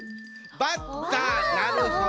バッターなるほど。